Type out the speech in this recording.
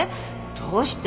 どうして？